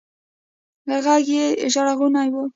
ږغ يې ژړغونى و.